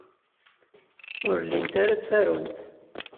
Ur llint ara ttarunt.